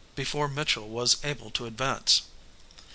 before Mitchel was able to advance.